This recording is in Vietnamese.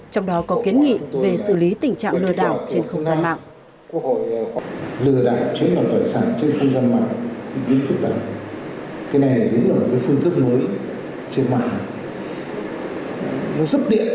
trong đó có kiến nghị về xử lý tình trạng lừa đảo trên không gian mạng